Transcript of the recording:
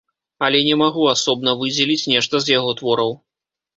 Але не магу асобна выдзеліць нешта з яго твораў.